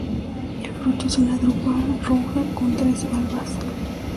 El fruto es una drupa roja con tres valvas.